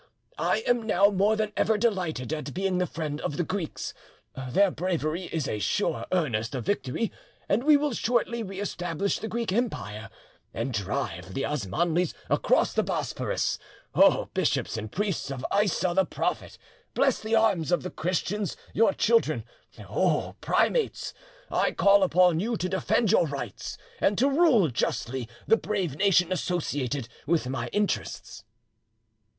I am now more than ever delighted at being the friend of the Greeks. Their bravery is a sure earnest of victory, and we will shortly re establish the Greek Empire, and drive the Osmanlis across the Bosphorus. O bishops and priests of Issa the prophet! bless the arms of the Christians, your children. O primates! I call upon you to defend your rights, and to rule justly the brave nation associated with my interests."